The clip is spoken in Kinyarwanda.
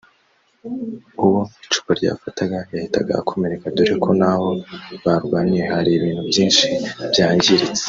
uwo icupa ryafataga yahitaga akomereka dore ko n’aho barwaniye hari ibintu byinshi byangiritse